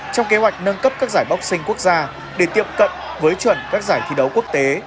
trong kế hoạch nâng cấp các giải boxing quốc gia để tiệm cận với chuẩn các giải thi đấu quốc tế